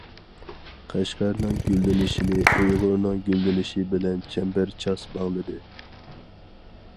قەشقەرنىڭ گۈللىنىشىنى ئۇيغۇرنىڭ گۈللىنىشى بىلەن چەمبەرچاس باغلىدى.